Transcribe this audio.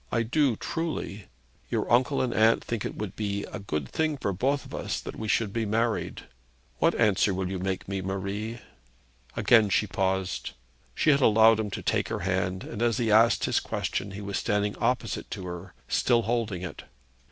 I do truly. Your uncle and aunt think it would be a good thing for both of us that we should be married. What answer will you make me, Marie?' Again she paused. She had allowed him to take her hand, and as he thus asked his question he was standing opposite to her, still holding it.